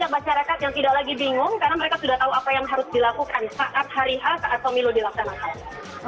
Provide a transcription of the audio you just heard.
jadi banyak masyarakat yang tidak lagi bingung karena mereka sudah tahu apa yang harus dilakukan saat hari a saat pemilu dilaksanakan